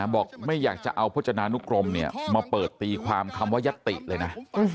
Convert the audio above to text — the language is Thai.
บอกไม่อยากจะเอาพจนานุกรมมาเปิดตีความคำว่ายัตติเลยนะ